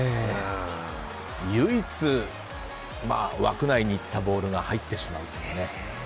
唯一、枠内にいったボールが入ってしまうという。